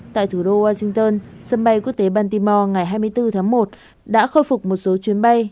tại thủ đô washington sân bay quốc tế bantimore ngày hai mươi bốn tháng một đã khôi phục một số chuyến bay